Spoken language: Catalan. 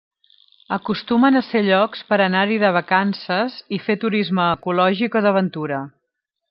Acostumen a ser llocs per anar-hi de vacances i fer turisme ecològic o d'aventura.